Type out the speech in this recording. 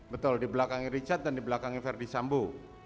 betul di belakangnya rincat dan di belakangnya ferdisambu